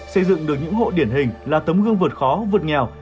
xây dựng được những hộ điển hình là tấm gương vượt khó vượt nghèo